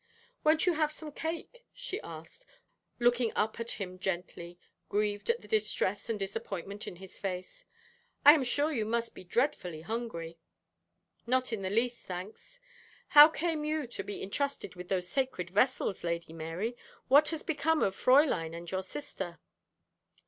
'Won't you have some cake,' she asked, looking up at him gently, grieved at the distress and disappointment in his face. 'I am sure you must be dreadfully hungry.' 'Not in the least, thanks. How came you to be entrusted with those sacred vessels, Lady Mary? What has become of Fräulein and your sister?'